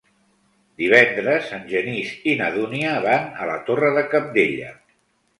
Divendres en Genís i na Dúnia van a la Torre de Cabdella.